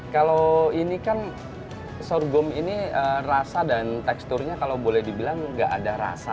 kalau ini kan sorghum ini rasa dan teksturnya kalau boleh dibilang nggak ada rasa